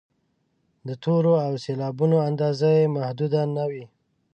د تورو او سېلابونو اندازه یې محدوده نه وي.